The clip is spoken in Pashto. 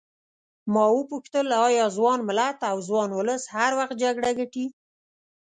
ما وپوښتل ایا ځوان ملت او ځوان ولس هر وخت جګړه ګټي.